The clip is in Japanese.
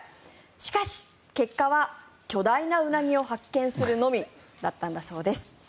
しかし、結果は巨大なウナギを発見するのみだったんだそうです。